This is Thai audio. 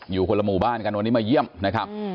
อยู่คนละหมู่บ้านกันวันนี้มาเยี่ยมนะครับ